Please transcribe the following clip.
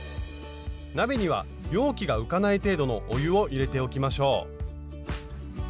鍋には容器が浮かない程度のお湯を入れておきましょう。